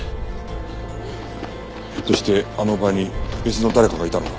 ひょっとしてあの場に別の誰かがいたのか？